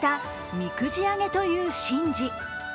みくじ上げという神事。